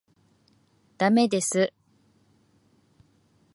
駄目です。